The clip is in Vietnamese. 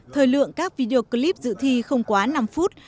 thời lượng các video clip dự thi không quá năm phút